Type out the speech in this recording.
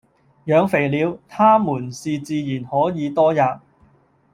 養肥了，他們是自然可以多喫；